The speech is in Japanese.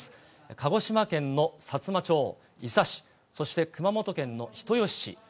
鹿児島県のさつま町、伊佐市、そして熊本県の人吉市。